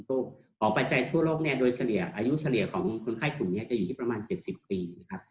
ของปัจจัยทั่วโลกเนี่ยโดยเฉลี่ยอายุเฉลี่ยของคนไข้กลุ่มนี้จะอยู่ที่ประมาณ๗๐ปีนะครับ